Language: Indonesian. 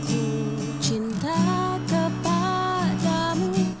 aku cinta kepadamu